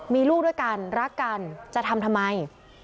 มีลูกด้วยกันรักกันจะทำทำไม